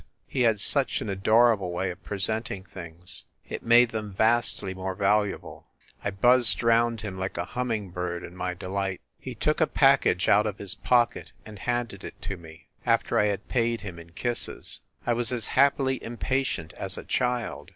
He had such an adorable way of presenting things it made them vastly more valuable. I buzzed round him like a humming bird in my delight. He took a package out of his pocket and handed it to me, after I had paid him in kisses. I was as happily impatient as a child.